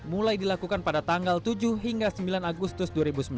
mulai dilakukan pada tanggal tujuh hingga sembilan agustus dua ribu sembilan belas